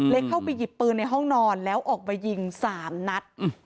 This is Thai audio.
เล็งเข้าไปหยิบปืนในห้องนอนแล้วออกไปยิงสามนัด